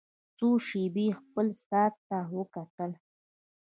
څو شېبې يې خپل ساعت ته وکتل.